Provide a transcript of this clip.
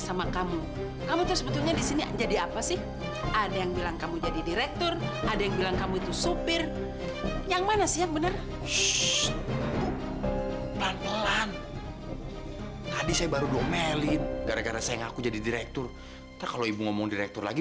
sampai jumpa di video selanjutnya